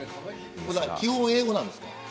基本英語なんですか。